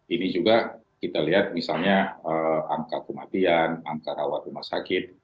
ini juga kita lihat misalnya angka kematian angka rawat rumah sakit